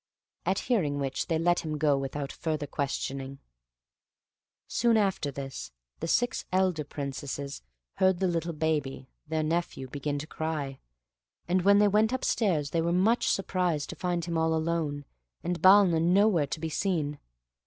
At hearing which they let him go without further questioning. Soon after this, the six elder Princesses heard the little baby, their nephew, begin to cry, and when they went upstairs they were much surprised to find him all alone, and Balna nowhere to be seen.